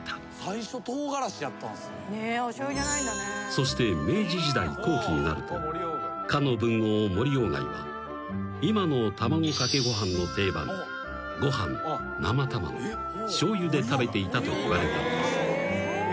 ［そして明治時代後期になるとかの文豪森外が今の卵かけご飯の定番ご飯生卵しょうゆで食べていたといわれている］